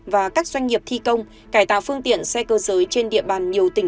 và các doanh nghiệp thi công cải tạo phương tiện xe cơ giới trên địa bàn nhiều tỉnh